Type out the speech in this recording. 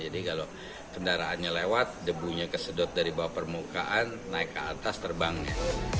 jadi kalau kendaraannya lewat debunya kesedot dari bawah permukaan naik ke atas terbangnya